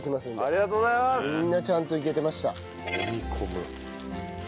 みんなちゃんといけてました。